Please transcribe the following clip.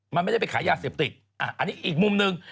มันไม่ได้ไปขายยาเสพติดอันนี้อีกมุมหนึ่ง